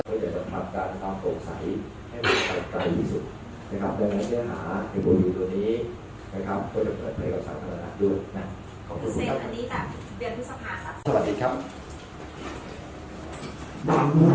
เพื่อจะกระทับการตามตรงใสให้มีภักษ์ใกล้ที่สุด